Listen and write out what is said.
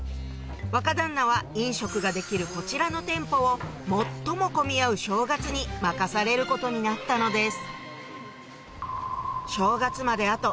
若旦那は飲食ができるこちらの店舗を最も混み合う正月に任されることになったのです